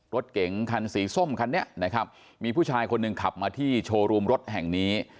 รถเก๋งคันสีส้มคันนี้นะครับมีผู้ชายคนหนึ่งขับมาที่โชว์รูมรถแห่งนี้